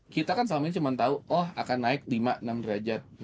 kita kan selama ini cuma tahu oh akan naik lima enam derajat